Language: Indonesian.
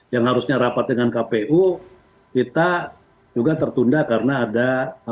yang harusnya rapat dengan kpu kita juga tertunda karena ada